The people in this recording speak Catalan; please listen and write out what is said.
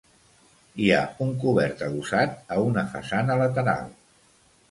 Hi ha un cobert adossat a una façana lateral.